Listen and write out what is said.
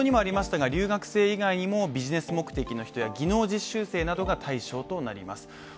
留学生以外にもビジネス目的の人や技能実習生などが対象となります。